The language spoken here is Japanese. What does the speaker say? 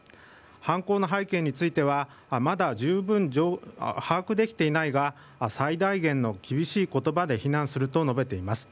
犯行の背景についてはまだ十分把握できていないが最大限の厳しい言葉で非難すると述べています。